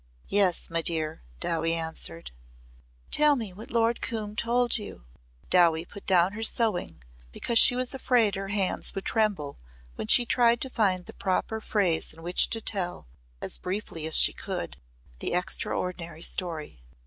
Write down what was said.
"Yes, my dear," Dowie answered. "Tell me what Lord Coombe told you." Dowie put down her sewing because she was afraid her hands would tremble when she tried to find the proper phrase in which to tell as briefly as she could the extraordinary story.